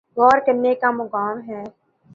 غور کرنے کا مقام ہے۔